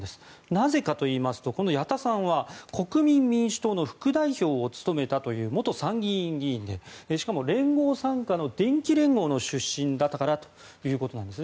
なぜかといいますとこの矢田さんは国民民主党の副代表を務めたという元参議院議員でしかも連合傘下の電機連合の出身だったからということなんです。